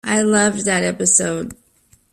I loved that episode!